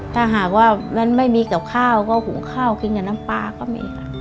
ถ้าหากว่ามันไม่มีกับข้าวก็หุงข้าวกินกับน้ำปลาก็มีค่ะ